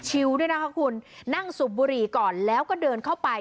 ด้วยนะคะคุณนั่งสูบบุหรี่ก่อนแล้วก็เดินเข้าไป